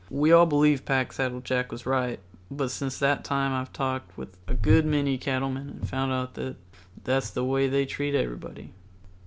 We all believed Packsaddle Jack was right, but since that time I've talked with a good many cattlemen and found out that's the way they treat everybody.